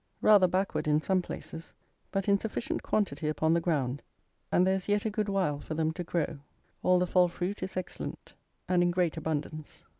Rather backward in some places; but in sufficient quantity upon the ground, and there is yet a good while for them to grow. All the fall fruit is excellent, and in great abundance.